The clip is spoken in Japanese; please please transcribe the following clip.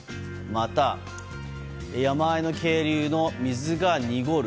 また、山あいの渓流の水が濁る。